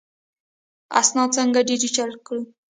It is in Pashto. اسناد څنګه ډیجیټل کړو؟